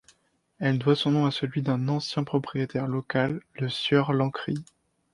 Elle doit son nom à celui d'un ancien propriétaire local, le sieur Lancry.